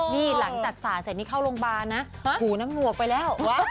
นี่หลังจากสาดเสร็จนี่เข้าโรงพยาบาลนะหูน้ำหนวกไปแล้ว